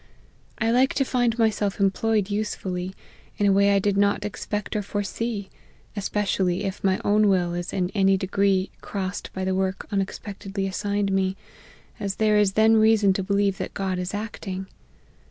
I like to find myself employed usefully, in a way I did not expect 01 foresee, especially if my own will is in any degree crossed by the work unexpectedly assigned me ; as there is then reason to believe that God is act ing.